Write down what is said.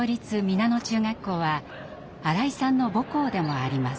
皆野中学校は新井さんの母校でもあります。